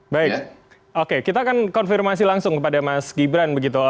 baik oke kita akan konfirmasi langsung kepada mas gibran begitu